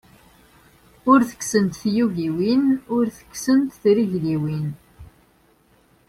Ur tekksent tyugiwin, ur tekksent trigliwin.